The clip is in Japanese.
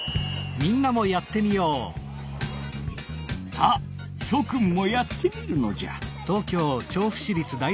さあしょくんもやってみるのじゃ！